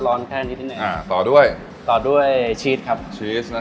แค่นิดหนึ่งอ่าต่อด้วยต่อด้วยชีสครับชีสนะ